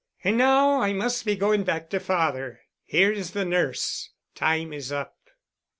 "And now I must be going back to father. Here is the nurse. Time is up."